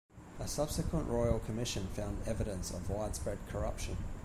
A subsequent royal commission found evidence of widespread corruption.